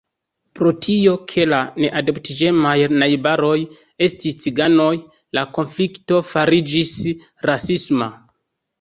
Pro tio, ke la neadaptiĝemaj najbaroj estis ciganoj, la konflikto fariĝis rasisma.